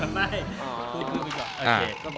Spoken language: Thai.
ไม่พูดอีกก่อน